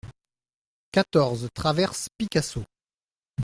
quatorze traverse Picasso